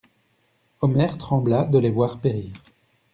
Omer trembla de les voir périr.